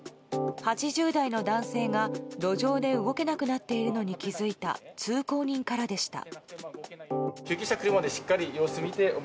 ８０代の男性が路上で動けなくなっているのに気付いた通行人からでした。